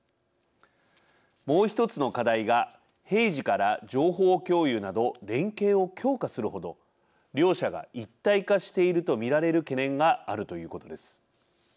もう一つの課題が平時から情報共有など連携を強化するほど両者が一体化していると見られる懸念があるということです。